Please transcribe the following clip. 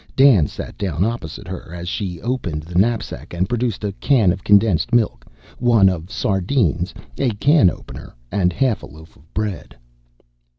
Dan sat down opposite her as she opened the knapsack and produced a can of condensed milk, one of sardines, a can opener, and half a loaf of bread.